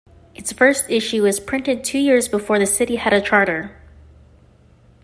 Its first issue was printed two years before the city had a charter.